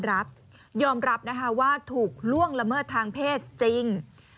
รับยอมรับนะคะว่าถูกล่วงละเมิดทางเพศจริง